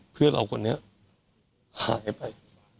เพื่อนเราก่อนเนี่ยหายไป